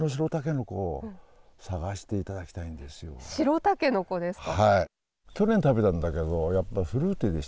白たけのこですか。